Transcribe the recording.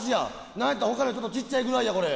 何やったら他よりちょっと小ちゃいぐらいやこれ。